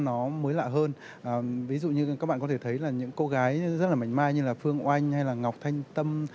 nó mới lạ hơn ví dụ như các bạn có thể thấy là những cô gái rất là mạnh mai như là phương oanh hay là ngọc thanh tâm